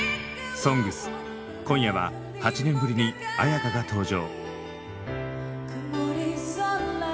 「ＳＯＮＧＳ」今夜は８年ぶりに絢香が登場。